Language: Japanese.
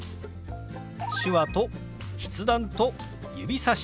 手話と筆談と指さし。